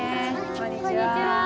こんにちは。